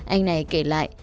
anh này kể lại